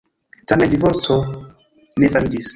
Tamen divorco ne fariĝis.